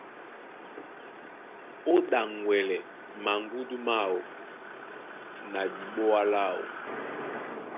Ó ɗaŋgwɛlɛ maŋgúndú máō na diɓoa láō.